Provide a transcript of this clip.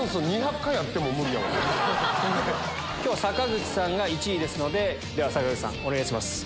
今日は坂口さんが１位ですので坂口さんお願いします。